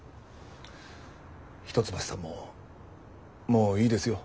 一橋さんももういいですよ